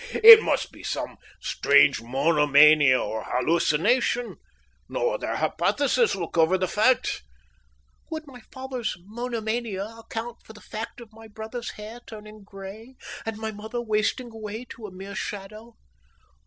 It must be some strange monomania or hallucination. No other hypothesis will cover the facts." "Would my father's monomania account for the fact of my brother's hair turning grey and my mother wasting away to a mere shadow?"